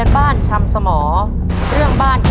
ต้นไม้ประจำจังหวัดระยองการครับ